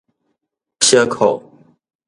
燒褲